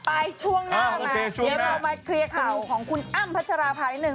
ช่วงหน้ามาเดี๋ยวเรามาเคลียร์ข่าวของคุณอ้ำพัชราภานิดหนึ่ง